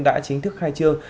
đã chính thức khai trương